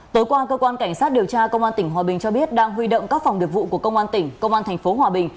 tối qua cơ quan cảnh sát điều tra công an tỉnh hòa bình cho biết đang huy động các phòng điệp vụ của công an tỉnh công an tp hòa bình